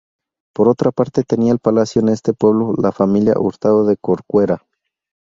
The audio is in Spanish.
Por otra parte tenía palacio en este pueblo la familia Hurtado de Corcuera.